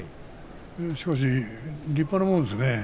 しかし、立派なもんですね。